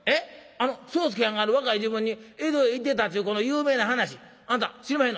あの宗助はんが若い時分に江戸へ行ってたっちゅうこの有名な話あんた知りまへんの？